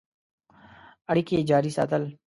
اړیکي جاري ساتل.